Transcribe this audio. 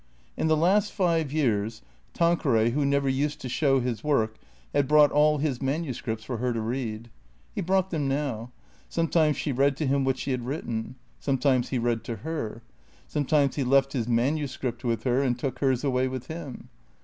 In the last five years Tanqueray (who never used to show his work) had brought all his manuscripts for her to read. He brought them now. Some times she read to him what she had written. Sometimes he read to her. Sometimes he left his manuscript with her and took hers away with him.